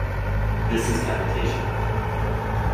This is cavitation.